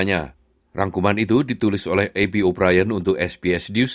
supaya orang orang bisa membuat keputusan yang informasi